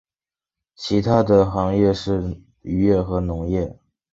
其它的行业是渔业和农业。